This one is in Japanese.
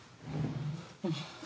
うん。